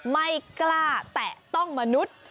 ไม่กล้าแตะต้องมนุษย์